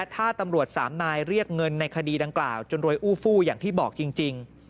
ถ้าตำรวจสามนายเรียกเงินในคดีดังกล่าวจนรวยอู้ฟู้อย่างที่บอกจริง